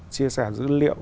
chia sẻ dữ liệu